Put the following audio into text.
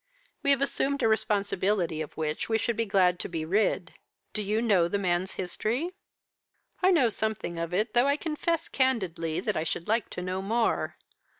We have assumed a responsibility of which we should be glad to be rid. Do you know the man's history?' "'I know something of it though I confess, candidly, that I should like to know more.